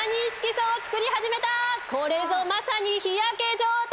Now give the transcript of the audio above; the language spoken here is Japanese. これぞまさに日焼け状態！